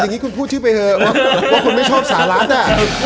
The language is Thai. อย่างนี้คุณพูดชื่อไปเถอะว่าคุณไม่ชอบสหรัฐอะ